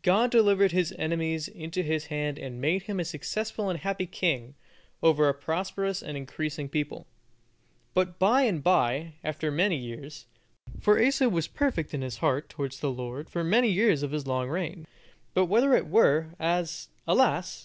God delivered his enemies into his hand and made him a successful and happy king, over a prosperous and increasing people. But by and bye, after many years, for Asa was perfect in his heart towards the Lord for many years of his long reign; but whether it were, as, alas!